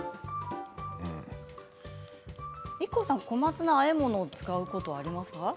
ＩＫＫＯさん小松菜をあえ物に使うことはありますか。